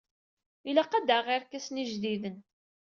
Ilaq ad d-aɣeɣ irkasen ijdiden.